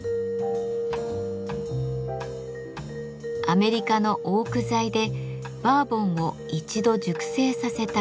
アメリカのオーク材でバーボンを一度熟成させた樽。